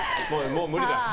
もう無理だ。